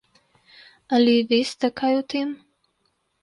Ali veste kaj o tem?